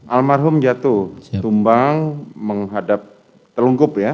almarhum jatuh tumbang menghadap telungkup ya